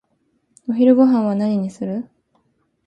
お昼ごはんは何にする？